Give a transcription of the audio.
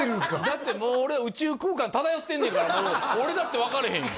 だってもう俺宇宙空間漂ってんねんから俺だって分かれへんよ